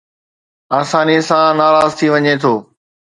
آساني سان ناراض ٿي وڃي ٿو